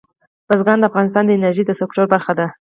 بزګان د افغانستان د انرژۍ د سکتور برخه ده.